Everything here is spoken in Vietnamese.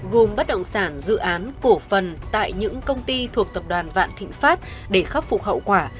gồm bất động sản dự án cổ phần tại những công ty thuộc tập đoàn vạn thịnh pháp để khắc phục hậu quả